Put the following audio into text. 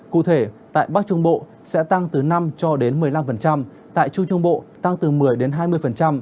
cụ thể tại bắc trung bộ sẽ tăng từ năm cho đến một mươi năm tại trung trung bộ tăng từ một mươi đến hai mươi